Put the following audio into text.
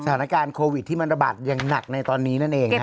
สถานการณ์โควิดที่มันระบาดอย่างหนักในตอนนี้นั่นเอง